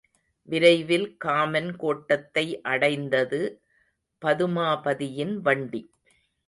விரைவில் காமன் கோட்டத்தை அடைந்தது பதுமாபதியின் வண்டி.